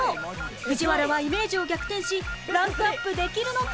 藤原はイメージを逆転しランクアップできるのか？